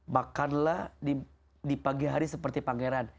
makanlah di pagi hari seperti pangeran